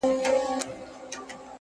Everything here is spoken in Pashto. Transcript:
درد وچاته نه ورکوي.